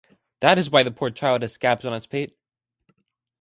That is why the poor child has scabs on its pate.